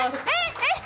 えっ！